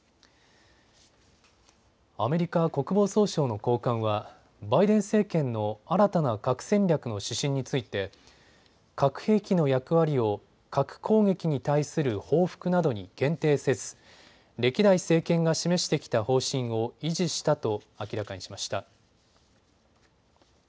アメリカ国防総省の高官はバイデン政権の新たな核戦略の指針について核兵器の役割を核攻撃に対する報復などに限定せず歴代政権が示してきた方針を維持したと明らかにしました。